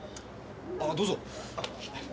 ああどうぞ。